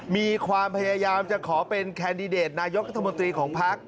มีความพยายามจะขอเป็นแคนดิเดตนายกรัฐมนตรีของพัก